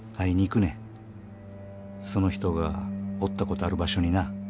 その人がおったことある場所にな。